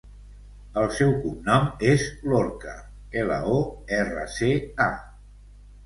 El seu cognom és Lorca: ela, o, erra, ce, a.